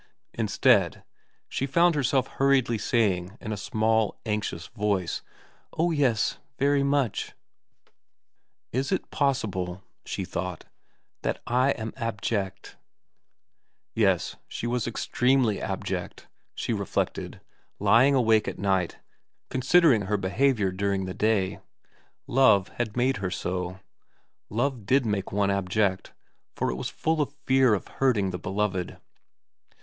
Instead, she found herself hurriedly saying in a small, anxious voice, * Oh yes very much !'' Is it possible,' she thought, * that I am abject ?' Yes, she was extremely abject, she reflected, lying awake at night considering her behaviour during the day. Love had made her so. Love did make one abject, for it was full of fear of hurting the beloved.